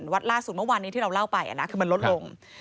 วัดล่าศุนโร่วันที่เราเล่าไปคือมันลดลง